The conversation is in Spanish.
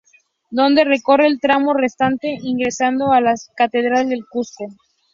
Donde recorre el tramo restante, ingresando a la Catedral del Cusco.